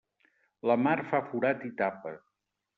La mar fa forat i tapa.